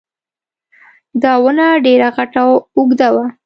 دا ونه ډېره غټه او اوږده وه